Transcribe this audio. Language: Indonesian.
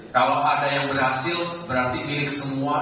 kalau ada yang berhasil berarti milik semua